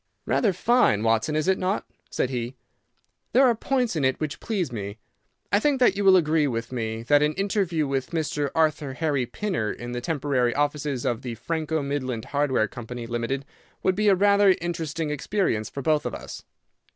"Rather fine, Watson, is it not?" said he. "There are points in it which please me. I think that you will agree with me that an interview with Mr. Arthur Harry Pinner in the temporary offices of the Franco Midland Hardware Company, Limited, would be a rather interesting experience for both of us."